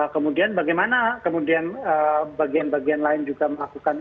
kemudian bagaimana kemudian bagian bagian lainnya